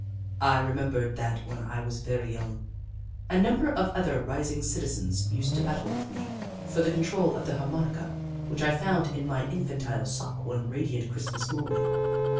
I remembered that when I was very young, a number of other rising citizens used to battle with me for the control of the harmonica which I found in my infantile sock one radiant Christ mas morning.